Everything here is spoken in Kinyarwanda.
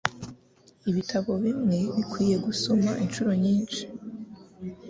Ibitabo bimwe bikwiye gusoma inshuro nyinshi.